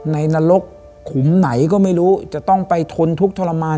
นรกขุมไหนก็ไม่รู้จะต้องไปทนทุกข์ทรมาน